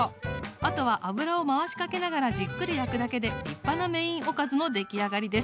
あとは油を回しかけながらじっくり焼くだけで立派なメインおかずの出来上がりです。